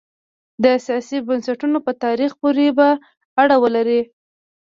د سیاسي بنسټونو په تاریخ پورې به اړه ولري.